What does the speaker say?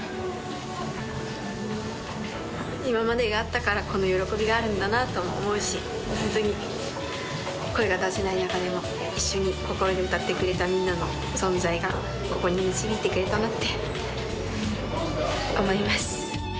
今までがあったからこの喜びがあるんだなとも思うしホントに声が出せない中でも一緒に心で歌ってくれたみんなの存在がここに導いてくれたなって思います